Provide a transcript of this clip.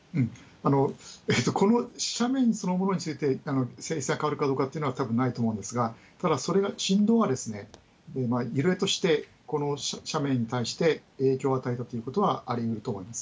この斜面そのものについて、性質が変わるかどうかというのは、たぶんないと思うんですが、ただそれが振動がですね、揺れとして斜面に対して影響を与えたということはありうると思います。